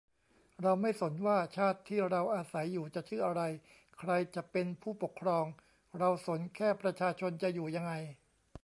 เราไม่สนว่าชาติที่เราอาศัยอยู่จะชื่ออะไรใครจะเป็นผู้ปกครอง เราสนแค่ประชาชนจะอยู่ยังไง